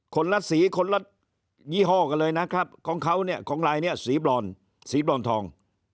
ละสีคนละยี่ห้อกันเลยนะครับของเขาเนี่ยของลายเนี่ยสีบรอนสีบรอนทอง